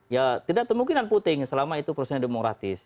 ya tidak kemungkinan puting selama itu prosesnya demokratis